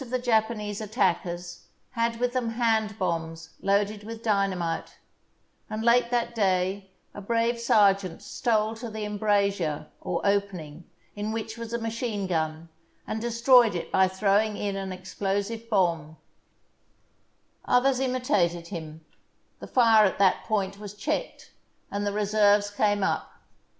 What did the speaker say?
Y A Charge of Japanese Infantry under Fire THE SIEGE OF PORT ARTHUR attackers, had with them hand bombs loaded with dynamite; and late that day a brave sergeant stole to the embrasure, or opening, in which was a ma chine gun and destroyed it by throwing in an ex plosive bomb. Others imitated him; the fire at that point was checked, and the reserves came up.